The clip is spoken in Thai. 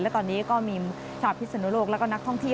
และตอนนี้ก็มีชาวพิศนุโลกแล้วก็นักท่องเที่ยว